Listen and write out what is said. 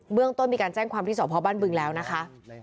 เรื่องต้นมีการแจ้งความที่สพบ้านบึงแล้วนะคะ